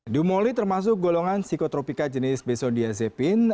dumolit termasuk golongan psikotropika jenis besodiazepine